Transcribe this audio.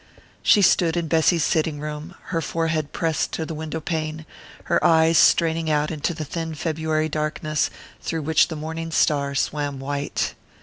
She stood in Bessy's sitting room, her forehead pressed to the window pane, her eyes straining out into the thin February darkness, through which the morning star swam white.